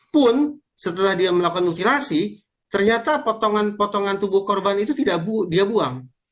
pun setelah dia melakukan mutilasi ternyata potongan potongan tubuh korban itu tidak dia buang